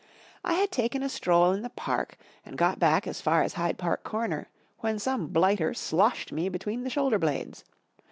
I had taken a stroll in the Park, and got back as far as Hyde Park Corner, when some blighter sloshed me between the shoulder blades.